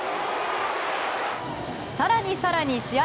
更に更に、試合